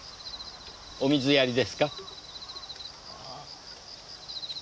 お水やりですか？